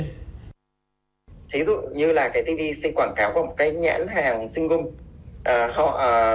thí dụ như là cái tvc quảng cáo của một cái nhãn hàng singum